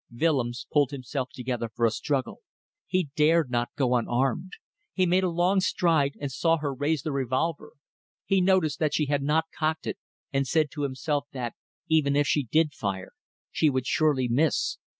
..." Willems pulled himself together for a struggle. He dared not go unarmed. He made a long stride, and saw her raise the revolver. He noticed that she had not cocked it, and said to himself that, even if she did fire, she would surely miss.